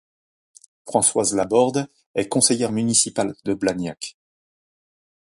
Françoise Laborde est conseillère municipale de Blagnac.